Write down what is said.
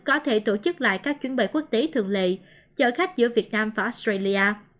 có thể tổ chức lại các chuyến bay quốc tế thường lệ chở khách giữa việt nam và australia